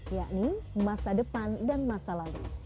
yakni masa depan dan masa lalu